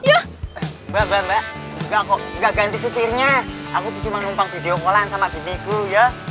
ya mbak mbak mbak nggak kok nggak ganti supirnya aku cuma numpang video call an sama bibiku ya